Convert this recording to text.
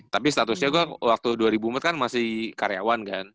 tapi statusnya gua waktu dua ribu empat kan masih karyawan kan